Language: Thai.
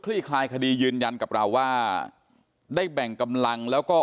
คลายคดียืนยันกับเราว่าได้แบ่งกำลังแล้วก็